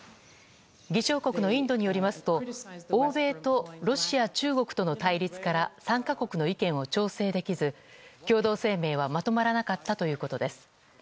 議長国のインドによりますと欧米とロシア、中国との対立から参加国の意見を調整できず共同声明はまとまらなかったということです。